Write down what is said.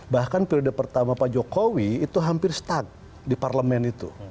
bahkan periode pertama pak jokowi itu hampir stuck di parlemen itu